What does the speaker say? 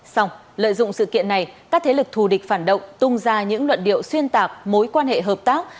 xong lợi dụng sự kiện này các thế lực thù địch phản động tung ra những luận điệu xuyên tạc mối quan hệ hợp tác